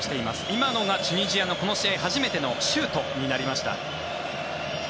今のがチュニジアのこの試合初めてのシュートになりました。